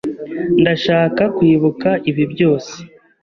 Ndashaka kwibuka ibi byose.